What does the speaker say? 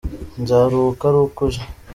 nzaruhuka aruko uje.